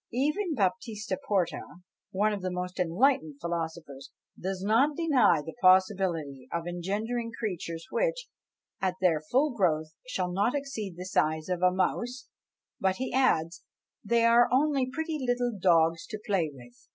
Even Baptista Porta, one of the most enlightened philosophers, does not deny the possibility of engendering creatures which, "at their full growth, shall not exceed the size of a mouse;" but he adds, "they are only pretty little dogs to play with."